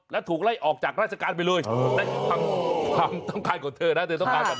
แล้วถูกไล่ออกจากราชการไปเลยนั่นความต้องการของเธอนะเธอต้องการแบบนี้